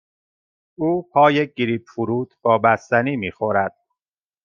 او پای گریپ فروت با بستنی می خورد.